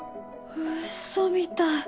うそみたい。